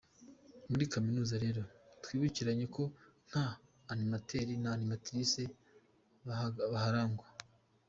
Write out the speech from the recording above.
Muri Kaminuza rero, twibukiranye ko nta Animateur na animatrice baharangwa.